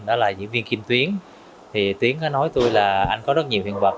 đó là diễn viên kim tuyến thì tuyến nói với tôi là anh có rất nhiều hiện vật